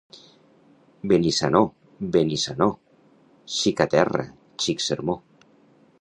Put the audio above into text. Benissanó, Benissanó, xica terra, xic sermó.